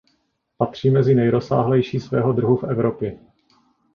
Patří mezi nejrozsáhlejší svého druhu v Evropě.